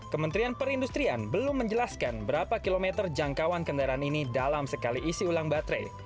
kementerian perindustrian belum menjelaskan berapa kilometer jangkauan kendaraan ini dalam sekali isi ulang baterai